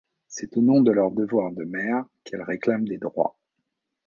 C’est au nom de leurs devoirs de mère, qu’elles réclament des droits.